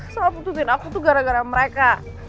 saya putusin aku tuh gara gara mereka